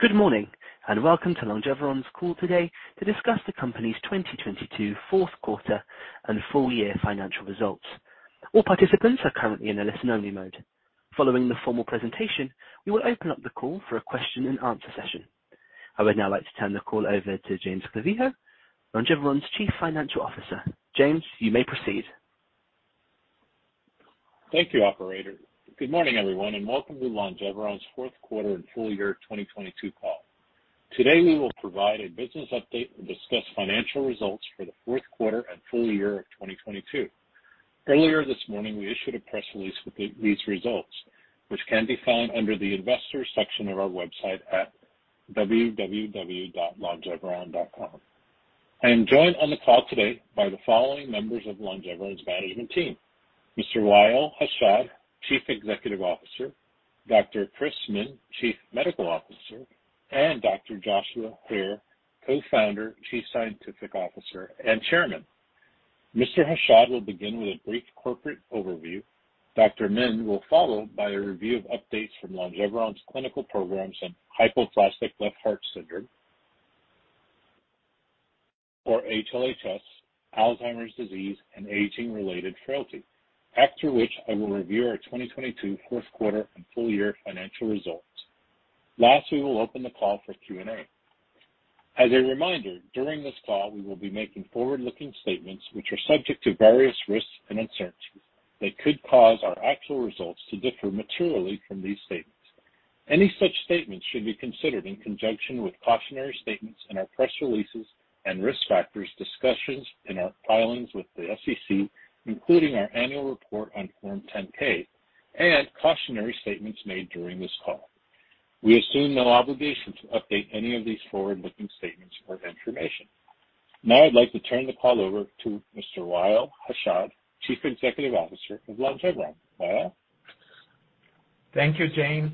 Good morning, welcome to Longeveron's call today to discuss the company's 2022 fourth quarter and full year financial results. All participants are currently in a listen-only mode. Following the formal presentation, we will open up the call for a question and answer session. I would now like to turn the call over to James Clavijo, Longeveron's Chief Financial Officer. James, you may proceed. Thank you, operator. Good morning, everyone, and welcome to Longeveron's fourth quarter and full year 2022 call. Today, we will provide a business update and discuss financial results for the fourth quarter and full year of 2022. Earlier this morning, we issued a press release with these results, which can be found under the investors section of our website at www.longeveron.com. I am joined on the call today by the following members of Longeveron's management team: Mr. Wa'el Hashad, Chief Executive Officer, Dr. Chris Min, Chief Medical Officer, and Dr. Joshua Hare, Co-Founder, Chief Scientific Officer, and Chairman. Mr. Hashad will begin with a brief corporate overview. Dr. Min will follow by a review of updates from Longeveron's clinical programs on hypoplastic left heart syndrome, or HLHS, Alzheimer's disease, and aging-related frailty. After which, I will review our 2022 fourth quarter and full year financial results. Last, we will open the call for Q&A. As a reminder, during this call, we will be making forward-looking statements which are subject to various risks and uncertainties that could cause our actual results to differ materially from these statements. Any such statements should be considered in conjunction with cautionary statements in our press releases and risk factors discussions in our filings with the SEC, including our annual report on form 10-K and cautionary statements made during this call. We assume no obligation to update any of these forward-looking statements or information. Now I'd like to turn the call over to Mr. Wa'el Hashad, Chief Executive Officer of Longeveron. Wa'el? Thank you, James.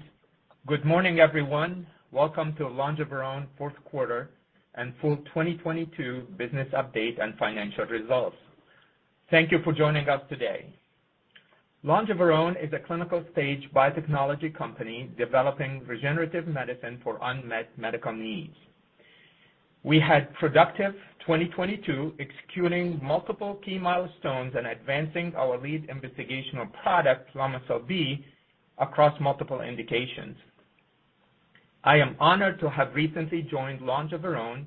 Good morning, everyone. Welcome to Longeveron fourth quarter and full 2022 business update and financial results. Thank you for joining us today. Longeveron is a clinical stage biotechnology company developing regenerative medicine for unmet medical needs. We had productive 2022, executing multiple key milestones and advancing our lead investigational product, Lomecel-B, across multiple indications. I am honored to have recently joined Longeveron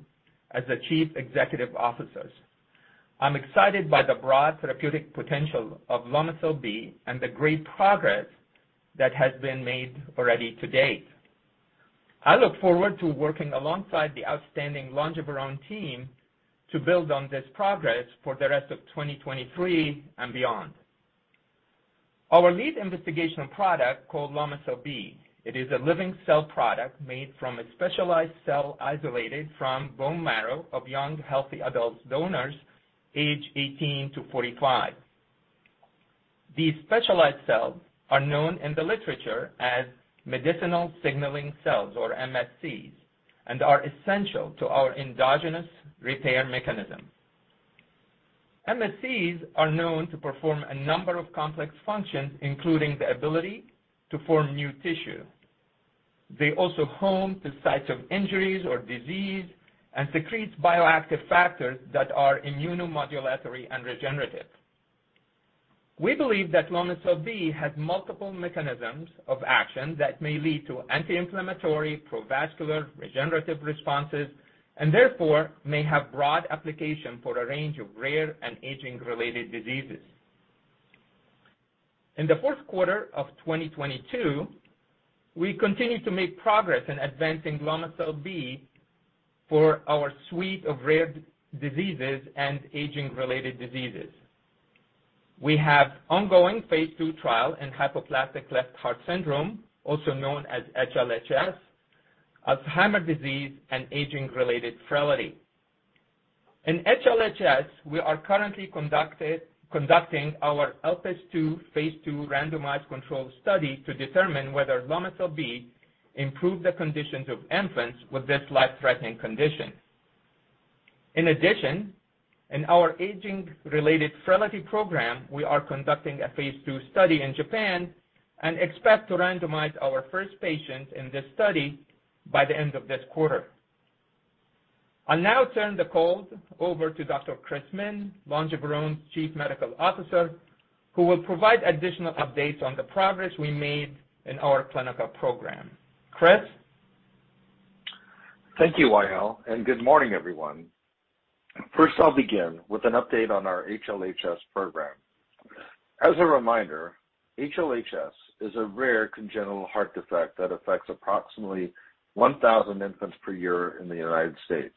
as the Chief Executive Officer. I'm excited by the broad therapeutic potential of Lomecel-B and the great progress that has been made already to date. I look forward to working alongside the outstanding Longeveron team to build on this progress for the rest of 2023 and beyond. Our lead investigational product, called Lomecel-B, it is a living cell product made from a specialized cell isolated from bone marrow of young, healthy adult donors aged 18 to 45. These specialized cells are known in the literature as medicinal signaling cells, or MSCs, and are essential to our endogenous repair mechanism. MSCs are known to perform a number of complex functions, including the ability to form new tissue. They also home to sites of injuries or disease and secretes bioactive factors that are immunomodulatory and regenerative. We believe that Lomecel-B has multiple mechanisms of action that may lead to anti-inflammatory, pro-vascular, regenerative responses, and therefore may have broad application for a range of rare and aging-related diseases. In the fourth quarter of 2022, we continued to make progress in advancing Lomecel-B for our suite of rare diseases and aging-related diseases. We have ongoing phase II trial in hypoplastic left heart syndrome, also known as HLHS, Alzheimer's disease, and aging-related frailty. In HLHS, we are currently conducting our ELPIS II phase II randomized controlled study to determine whether Lomecel-B improve the conditions of infants with this life-threatening condition. In addition, in our aging-related frailty program, we are conducting a phase II study in Japan and expect to randomize our first patient in this study by the end of this quarter. I'll now turn the call over to Dr. Chris Min, Longeveron's chief medical officer, who will provide additional updates on the progress we made in our clinical program. Chris? Thank you, Wa'el. Good morning, everyone. First, I'll begin with an update on our HLHS program. As a reminder, HLHS is a rare congenital heart defect that affects approximately 1,000 infants per year in the United States.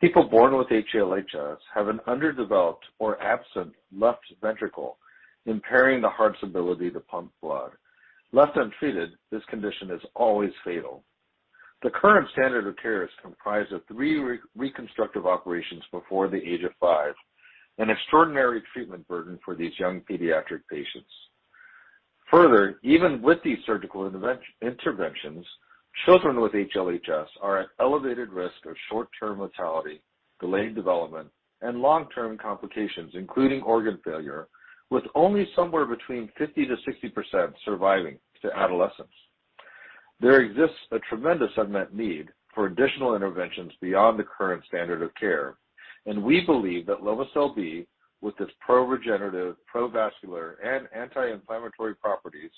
People born with HLHS have an underdeveloped or absent left ventricle, impairing the heart's ability to pump blood. Left untreated, this condition is always fatal. The current standard of care is comprised of three reconstructive operations before the age of five, an extraordinary treatment burden for these young pediatric patients. Further, even with these surgical interventions, children with HLHS are at elevated risk of short-term mortality-Delayed development and long-term complications, including organ failure, with only somewhere between 50%-60% surviving to adolescence. There exists a tremendous unmet need for additional interventions beyond the current standard of care. We believe that Lomecel-B, with its pro-regenerative, pro-vascular, and anti-inflammatory properties,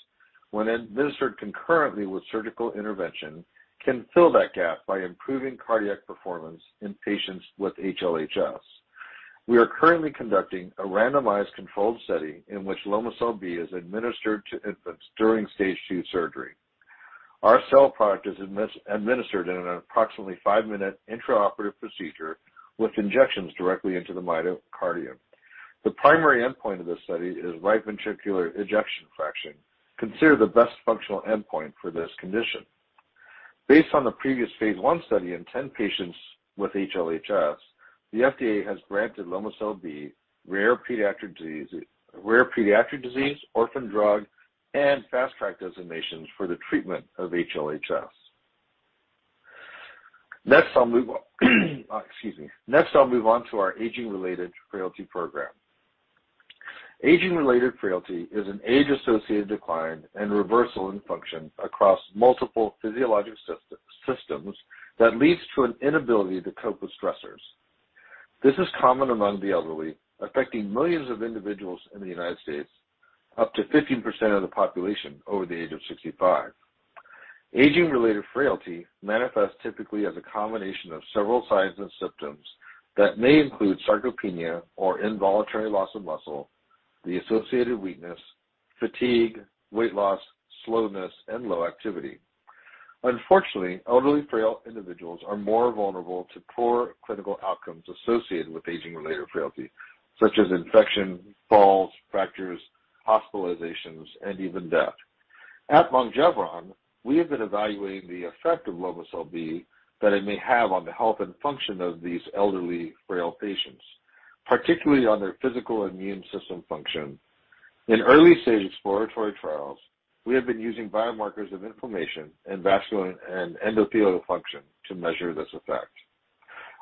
when administered concurrently with surgical intervention, can fill that gap by improving cardiac performance in patients with HLHS. We are currently conducting a randomized controlled study in which Lomecel-B is administered to infants during stage two surgery. Our cell product is administered in an approximately five-minute intraoperative procedure with injections directly into the myocardium. The primary endpoint of this study is right ventricular ejection fraction, considered the best functional endpoint for this condition. Based on the previous phase I study in 10 patients with HLHS, the FDA has granted Lomecel-B Rare Pediatric Disease, orphan drug, and Fast Track designations for the treatment of HLHS. Excuse me. Next, I'll move on to our aging-related frailty program. Aging-related frailty is an age-associated decline and reversal in function across multiple physiologic systems that leads to an inability to cope with stressors. This is common among the elderly, affecting millions of individuals in the United States, up to 15% of the population over the age of 65. Aging-related frailty manifests typically as a combination of several signs and symptoms that may include sarcopenia or involuntary loss of muscle, the associated weakness, fatigue, weight loss, slowness, and low activity. Unfortunately, elderly frail individuals are more vulnerable to poor clinical outcomes associated with aging-related frailty, such as infection, falls, fractures, hospitalizations, and even death. At Longeveron, we have been evaluating the effect of Lomecel-B that it may have on the health and function of these elderly, frail patients, particularly on their physical immune system function. In early-stage exploratory trials, we have been using biomarkers of inflammation and vascular and endothelial function to measure this effect.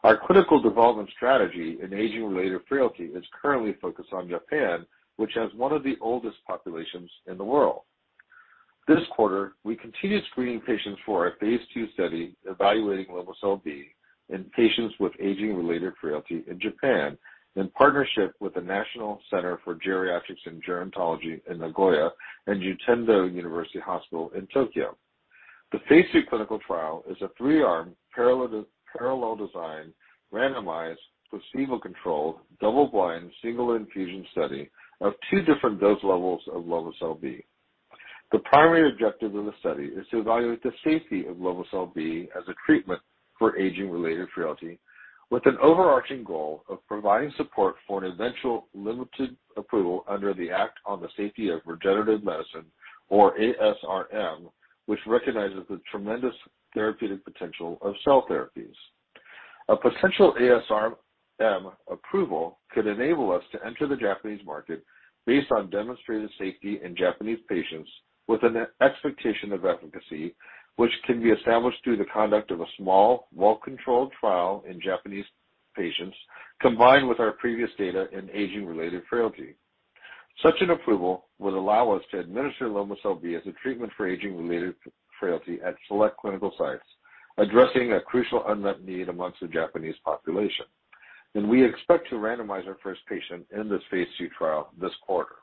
Our clinical development strategy in aging-related frailty is currently focused on Japan, which has one of the oldest populations in the world. This quarter, we continued screening patients for our phase II study evaluating Lomecel-B in patients with aging-related frailty in Japan in partnership with the National Center for Geriatrics and Gerontology in Nagoya and Juntendo University Hospital in Tokyo. The phase II clinical trial is a three-arm parallel design, randomized, placebo-controlled, double-blind, single infusion study of two different dose levels of Lomecel-B. The primary objective of the study is to evaluate the safety of Lomecel-B as a treatment for aging-related frailty with an overarching goal of providing support for an eventual limited approval under the Act on the Safety of Regenerative Medicine, or ASRM, which recognizes the tremendous therapeutic potential of cell therapies. A potential ASRM approval could enable us to enter the Japanese market based on demonstrated safety in Japanese patients with an expectation of efficacy, which can be established through the conduct of a small, well-controlled trial in Japanese patients combined with our previous data in aging-related frailty. Such an approval would allow us to administer Lomecel-B as a treatment for aging-related frailty at select clinical sites, addressing a crucial unmet need amongst the Japanese population. We expect to randomize our first patient in this phase II trial this quarter.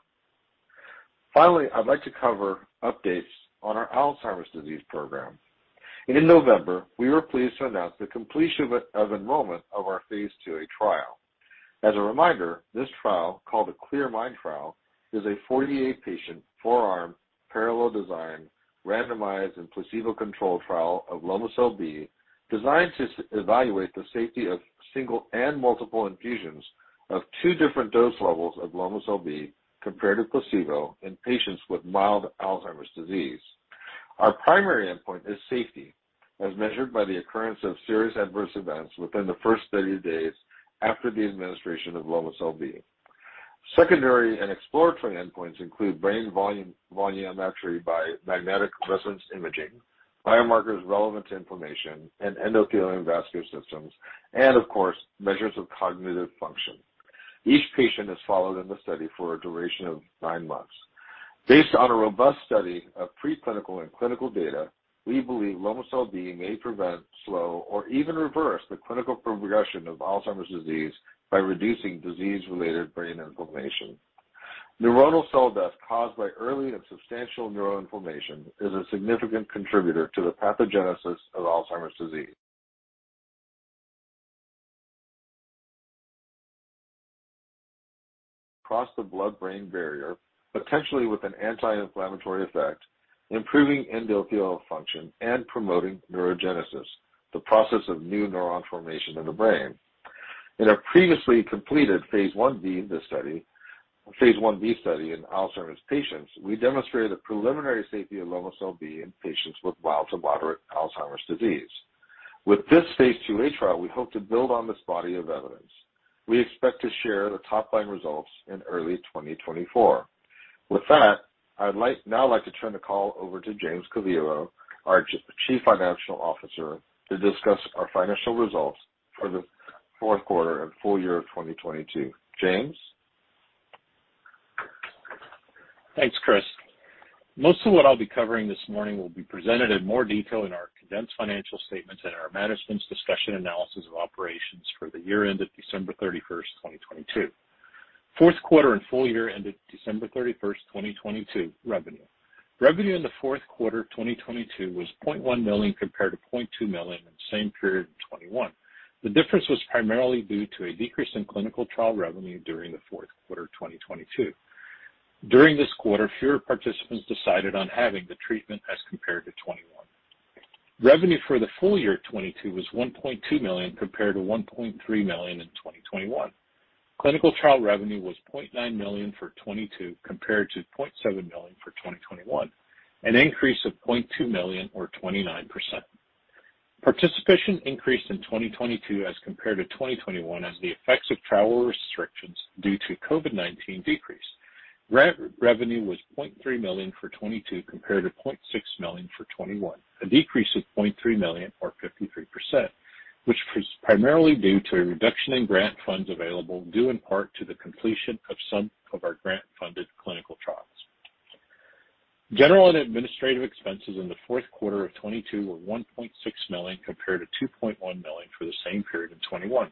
Finally, I'd like to cover updates on our Alzheimer's disease program. In November, we were pleased to announce the completion of enrollment of our phase IIa trial. As a reminder, this trial, called the CLEAR-MIND trial, is a 48-patient, four-arm, parallel design, randomized and placebo-controlled trial of Lomecel-B designed to evaluate the safety of single and multiple infusions of two different dose levels of Lomecel-B compared to placebo in patients with mild Alzheimer's disease. Our primary endpoint is safety, as measured by the occurrence of serious adverse events within the first 30 days after the administration of Lomecel-B. Secondary and exploratory endpoints include brain volume, volumetry by magnetic resonance imaging, biomarkers relevant to inflammation in endothelial and vascular systems, and of course, measures of cognitive function. Each patient is followed in the study for a duration of nine months. Based on a robust study of preclinical and clinical data, we believe Lomecel-B may prevent, slow, or even reverse the clinical progression of Alzheimer's disease by reducing disease-related brain inflammation. Neuronal cell death caused by early and substantial neuroinflammation is a significant contributor to the pathogenesis of Alzheimer's disease. Across the blood-brain barrier, potentially with an anti-inflammatory effect, improving endothelial function and promoting neurogenesis, the process of new neuron formation in the brain. In a previously completed phase Ib study in Alzheimer's patients, we demonstrated the preliminary safety of Lomecel-B in patients with mild to moderate Alzheimer's disease. With this phase IIa trial, we hope to build on this body of. We expect to share the top line results in early 2024. With that, I'd now like to turn the call over to James Clavijo, our Chief Financial Officer, to discuss our financial results for the fourth quarter and full year of 2022. James. Thanks, Chris. Most of what I'll be covering this morning will be presented in more detail in our condensed financial statements and our management's discussion analysis of operations for the year end of December 31st, 2022. Fourth quarter and full year ended December 31st, 2022 revenue. Revenue in the fourth quarter of 2022 was $0.1 million compared to $0.2 million in the same period in 2021. The difference was primarily due to a decrease in clinical trial revenue during the fourth quarter of 2022. During this quarter, fewer participants decided on having the treatment as compared to 2021. Revenue for the full year 2022 was $1.2 million compared to $1.3 million in 2021. Clinical trial revenue was $0.9 million for 2022 compared to $0.7 million for 2021, an increase of $0.2 million or 29%. Participation increased in 2022 as compared to 2021 as the effects of travel restrictions due to COVID-19 decreased. Re-revenue was $0.3 million for 2022 compared to $0.6 million for 2021, a decrease of $0.3 million or 53%, which was primarily due to a reduction in grant funds available due in part to the completion of some of our grant-funded clinical trials. General and Administrative expenses in the Q4 of 2022 were $1.6 million compared to $2.1 million for the same period in 2021.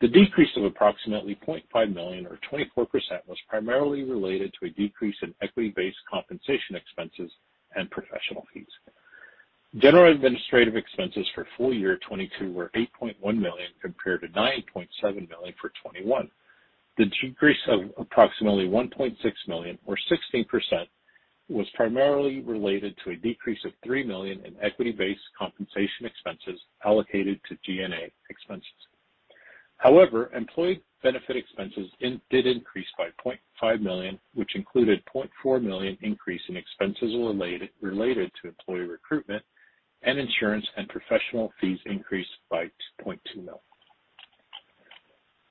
The decrease of approximately $0.5 million or 24% was primarily related to a decrease in equity-based compensation expenses and professional fees. General administrative expenses for full year 2022 were $8.1 million compared to $9.7 million for 2021. The decrease of approximately $1.6 million or 16% was primarily related to a decrease of $3 million in equity-based compensation expenses allocated to G&A expenses. Employee benefit expenses did increase by $0.5 million, which included $0.4 million increase in expenses related to employee recruitment and insurance and professional fees increased by $0.2 million.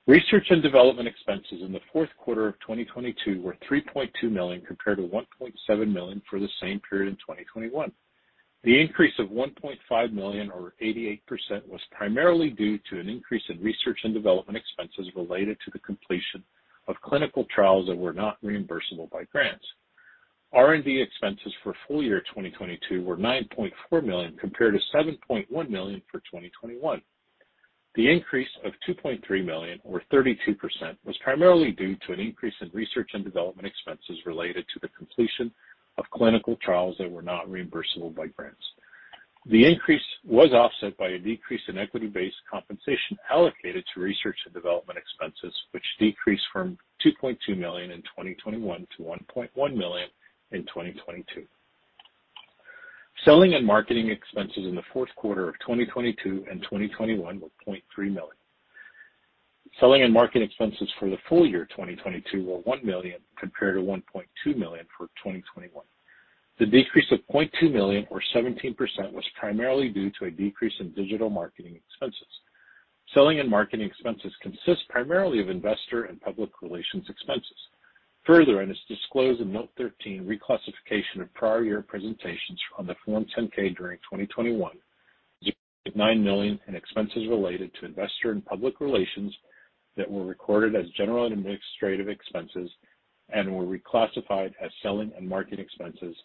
Research and development expenses in the fourth quarter of 2022 were $3.2 million compared to $1.7 million for the same period in 2021. The increase of $1.5 million or 88% was primarily due to an increase in research and development expenses related to the completion of clinical trials that were not reimbursable by grants. R&D expenses for full year 2022 were $9.4 million compared to $7.1 million for 2021. The increase of $2.3 million or 32% was primarily due to an increase in research and development expenses related to the completion of clinical trials that were not reimbursable by grants. The increase was offset by a decrease in equity-based compensation allocated to research and development expenses, which decreased from $2.2 million in 2021 to $1.1 million in 2022. Selling and marketing expenses in the fourth quarter of 2022 and 2021 were $0.3 million. Selling and marketing expenses for the full year 2022 were $1 million compared to $1.2 million for 2021. The decrease of $0.2 million or 17% was primarily due to a decrease in digital marketing expenses. Selling and marketing expenses consist primarily of investor and public relations expenses. Further, and it's disclosed in note 13, reclassification of prior year presentations on the Form 10-K during 2021 of $9 million in expenses related to investor and public relations that were recorded as general administrative expenses and were reclassified as selling and marketing expenses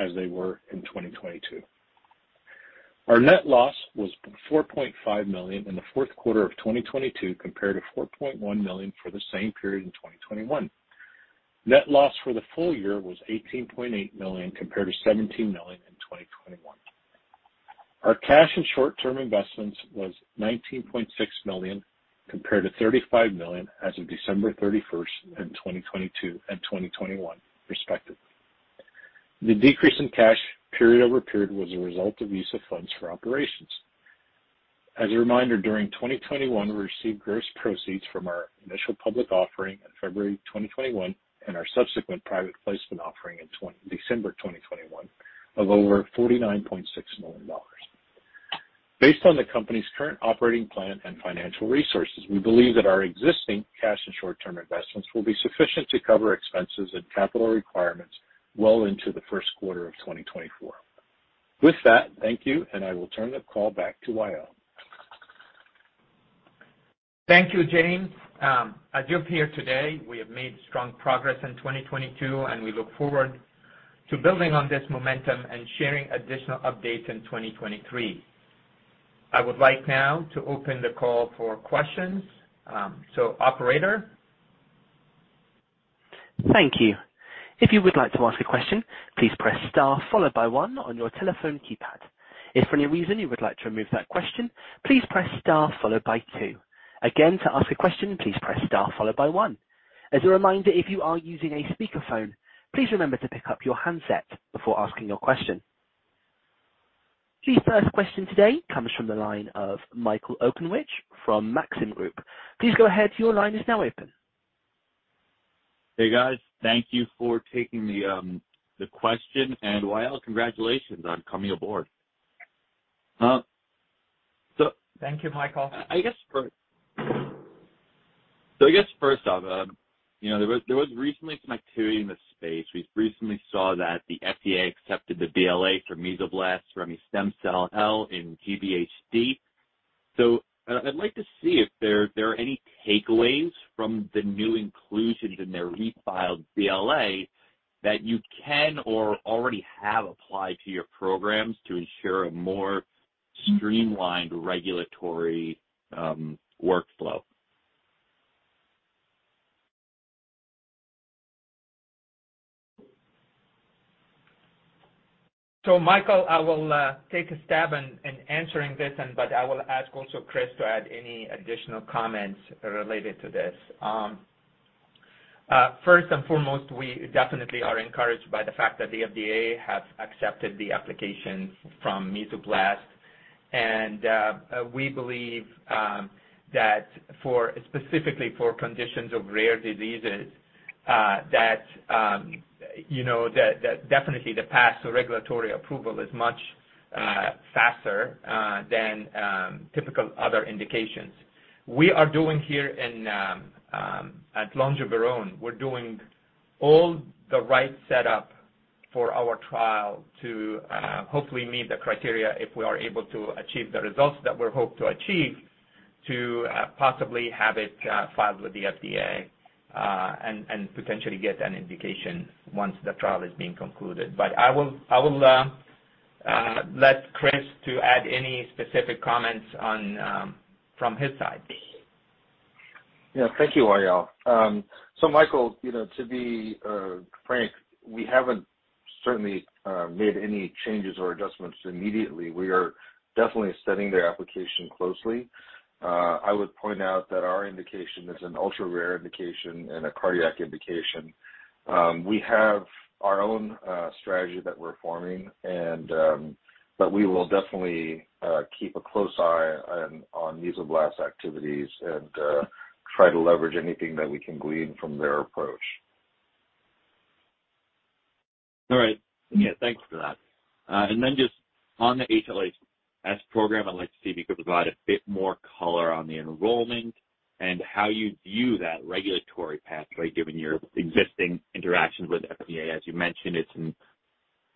as they were in 2022. Our net loss was $4.5 million in the fourth quarter of 2022 compared to $4.1 million for the same period in 2021. Net loss for the full year was $18.8 million compared to $17 million in 2021. Our cash and short-term investments was $19.6 million compared to $35 million as of December 31st in 2022 and 2021 respective. The decrease in cash period-over-period was a result of use of funds for operations. As a reminder, during 2021, we received gross proceeds from our initial public offering in February 2021 and our subsequent private placement offering in December 2021 of over $49.6 million. Based on the company's current operating plan and financial resources, we believe that our existing cash and short-term investments will be sufficient to cover expenses and capital requirements well into the first quarter of 2024. With that, thank you, and I will turn the call back to Wa'el Hashad. Thank you, James. As you hear today, we have made strong progress in 2022. We look forward to building on this momentum and sharing additional updates in 2023. I would like now to open the call for questions. Operator. Thank you. If you would like to ask a question, please press star followed by one on your telephone keypad. If for any reason you would like to remove that question, please press star followed by two. Again, to ask a question, please press star followed by one. As a reminder, if you are using a speakerphone, please remember to pick up your handset before asking your question. The first question today comes from the line of Michael Okunewitch from Maxim Group. Please go ahead, your line is now open. Hey, guys. Thank you for taking the question. Wa'el, congratulations on coming aboard. Thank you, Michael. I guess first off, you know, there was recently some activity in the space. We recently saw that the FDA accepted the BLA for Mesoblast remestemcel-L in GvHD. I'd like to see if there are any takeaways from the new inclusions in their refiled BLA that you can or already have applied to your programs to ensure a more streamlined regulatory workflow. Michael, I will take a stab in answering this and, but I will ask also Chris to add any additional comments related to this. First and foremost, we definitely are encouraged by the fact that the FDA have accepted the application from Mesoblast. We believe that for, specifically for conditions of rare diseases, that, you know, that definitely the path to regulatory approval is much faster than typical other indications. We are doing here in at Longeveron, we're doing all the right setup for our trial to hopefully meet the criteria if we are able to achieve the results that we hope to achieve, to possibly have it filed with the FDA, and potentially get an indication once the trial is being concluded. I will let Chris to add any specific comments on from his side. Yeah. Thank you, Wa'el. Michael, you know, to be frank, we haven't certainly made any changes or adjustments immediately. We are definitely studying their application closely. I would point out that our indication is an ultra-rare indication and a cardiac indication. We have our own strategy that we're forming and we will definitely keep a close eye on Mesoblast activities and try to leverage anything that we can glean from their approach. All right. Yeah, thanks for that. Then just on the HLHS program, I'd like to see if you could provide a bit more color on the enrollment and how you view that regulatory pathway given your existing interactions with FDA. As you mentioned, it's an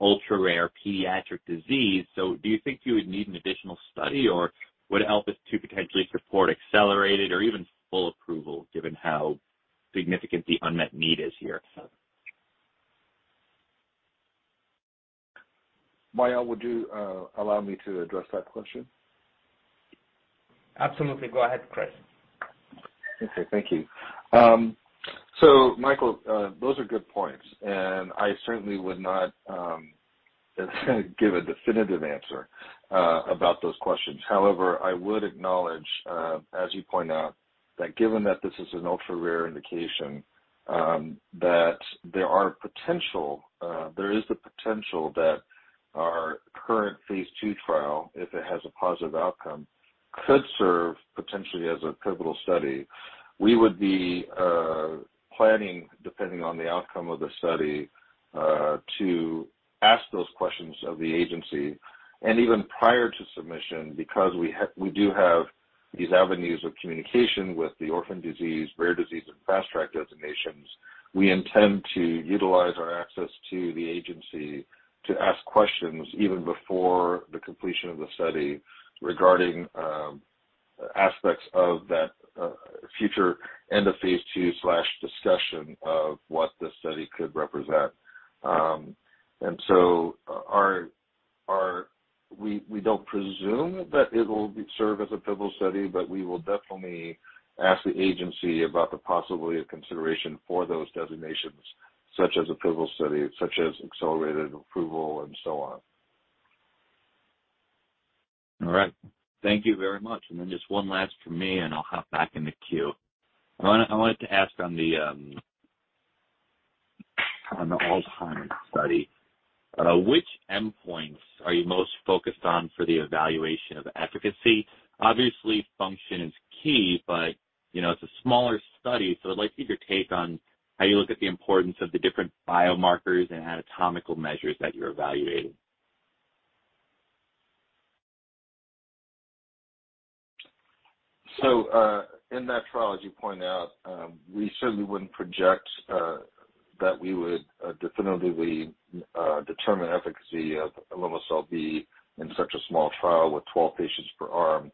ultra-rare pediatric disease. Do you think you would need an additional study or would ELPIS II potentially support accelerated or even full approval given how significant the unmet need is here? Wa'el, would you, allow me to address that question? Absolutely. Go ahead, Chris. Okay. Thank you. Michael, those are good points, and I certainly would not give a definitive answer about those questions. However, I would acknowledge, as you point out, that given that this is an ultra-rare indication, that there is the potential that our current phase II trial, if it has a positive outcome, could serve potentially as a pivotal study. We would be planning, depending on the outcome of the study, to ask those questions of the agency and even prior to submission, because we do have these avenues of communication with the orphan disease, rare disease, and Fast Track designations. We intend to utilize our access to the agency to ask questions even before the completion of the study regarding aspects of that future end of phase II slash discussion of what the study could represent. We don't presume that it'll serve as a pivotal study, but we will definitely ask the agency about the possibility of consideration for those designations, such as a pivotal study, such as accelerated approval and so on. All right. Thank you very much. Just one last from me, and I'll hop back in the queue. I wanted to ask on the on the Alzheimer's study, which endpoints are you most focused on for the evaluation of efficacy? Obviously, function is key, but you know, it's a smaller study. I'd like to get your take on how you look at the importance of the different biomarkers and anatomical measures that you're evaluating. In that trial, as you point out, we certainly wouldn't project that we would definitively determine efficacy of Lomecel-B in such a small trial with 12 patients per arm.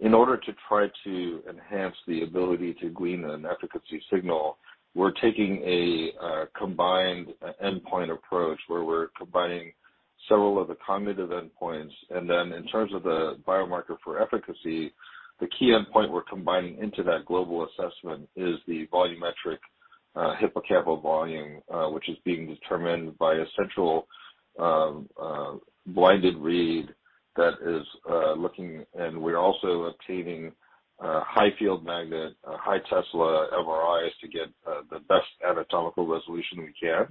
In order to try to enhance the ability to glean an efficacy signal, we're taking a combined endpoint approach where we're combining several of the cognitive endpoints. Then in terms of the biomarker for efficacy, the key endpoint we're combining into that global assessment is the volumetric hippocampal volume, which is being determined by a central blinded read that is looking. We're also obtaining high field magnet, high Tesla MRIs to get the best anatomical resolution we can.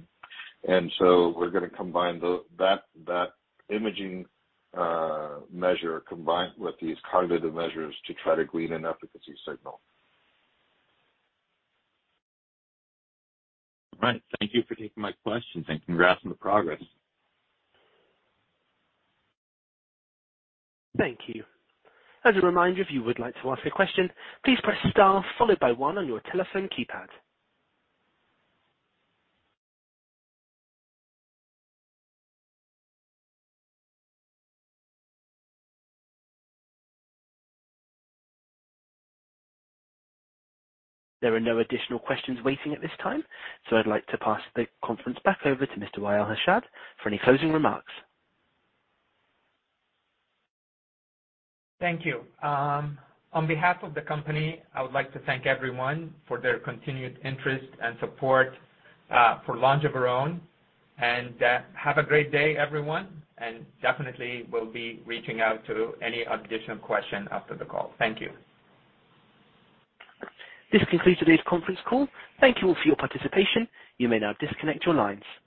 We're gonna combine that imaging measure combined with these cognitive measures to try to glean an efficacy signal. All right. Thank you for taking my questions and congrats on the progress. Thank you. As a reminder, if you would like to ask a question, please press star followed by 1 on your telephone keypad. There are no additional questions waiting at this time, I'd like to pass the conference back over to Mr. Wa'el Hashad for any closing remarks. Thank you. On behalf of the company, I would like to thank everyone for their continued interest and support for Longeveron. Have a great day, everyone. Definitely we'll be reaching out to any additional question after the call. Thank you. This concludes today's conference call. Thank you all for your participation. You may now disconnect your lines.